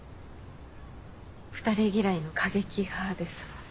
２人嫌いの過激派ですもんね。